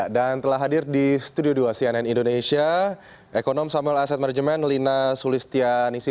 dan telah hadir di studio dua cnn indonesia ekonom samuel asset mergement lina sulistyanisi